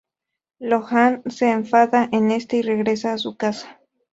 Lohan se enfada en este y regresa a su casa.